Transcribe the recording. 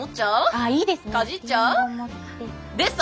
ああいいですね。